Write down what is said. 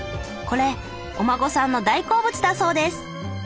これお孫さんの大好物だそうです。